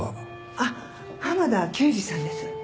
あっ浜田啓司さんです。